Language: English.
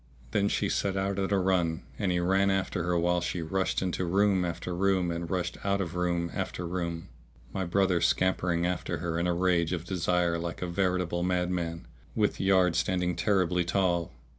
Then she set out at a run and he ran after her while she rushed into room after room and rushed out of room after room, my brother scampering after her in a rage of desire like a veritable madman, with yard standing terribly tall.